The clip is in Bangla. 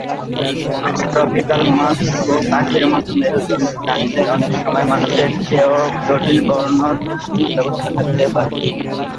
ট্রপিক্যাল মাছ ও পাখির মত মেরুদন্ডী প্রাণীদের অনেকসময় মানুষের চেয়েও জটিল বর্ণ দৃষ্টি ব্যবস্থা থাকতে পারে।